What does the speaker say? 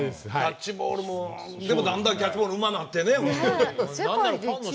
でも、だんだんキャッチボールうまくなってね。